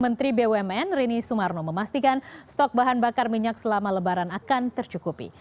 menteri bumn rini sumarno memastikan stok bahan bakar minyak selama lebaran akan tercukupi